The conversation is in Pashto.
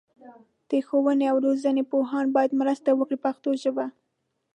د ښوونې او روزنې پوهان باید مرسته وکړي په پښتو ژبه.